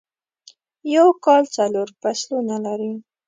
یوکال څلورفصلونه لري ..